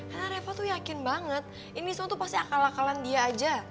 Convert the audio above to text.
karena reva tuh yakin banget ini sok tuh pasti akal akalan dia aja